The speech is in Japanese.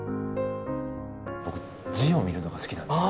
僕字を見るのが好きなんですよ。